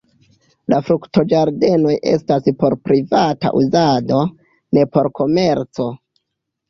La fruktoĝardenoj estas por privata uzado; ne por komerco.